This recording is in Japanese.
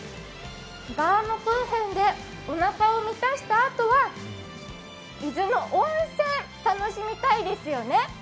バウムクーヘンでおなかを満たしたあとは伊豆の温泉、楽しみたいですよね。